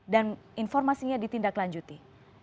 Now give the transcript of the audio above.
dan informasinya ditindaklanjuti